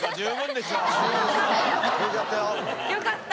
よかった！